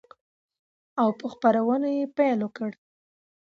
او په خپرونو يې پيل وكړ،